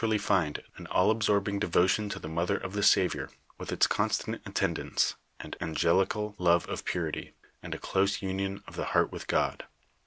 ||| :i;i I, find an all absorbing devotion to the mother of the Savior, with its constant attendants, an angelical love of pnrity, and a close nnion of the heart with God.